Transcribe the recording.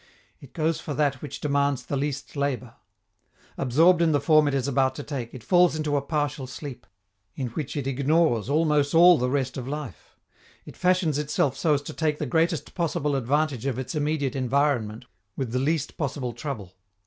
It goes for that which demands the least labor. Absorbed in the form it is about to take, it falls into a partial sleep, in which it ignores almost all the rest of life; it fashions itself so as to take the greatest possible advantage of its immediate environment with the least possible trouble.